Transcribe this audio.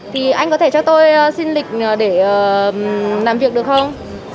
thì anh có thể cho tôi xin lịch để làm việc được không